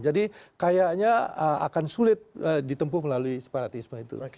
jadi kayaknya akan sulit ditempuh melalui separatisme itu